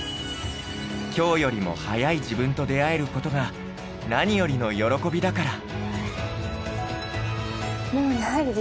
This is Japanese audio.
今日よりも速い自分と出会える事が何よりの喜びだから。